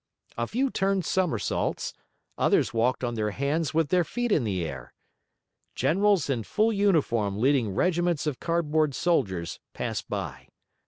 A few turned somersaults, others walked on their hands with their feet in the air. Generals in full uniform leading regiments of cardboard soldiers passed by.